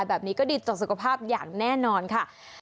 แบบนี้ก็ดีต่อสุขภาพอย่างแน่นอนค่ะ